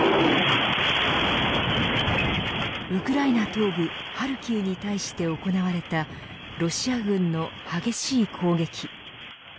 ウクライナ東部ハルキウに対して行われたロシア軍の激しい攻撃。